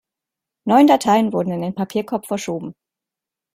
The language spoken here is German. Neun Dateien wurden in den Papierkorb verschoben.